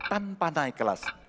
tanpa naik kelas